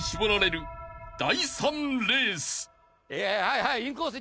はいはい。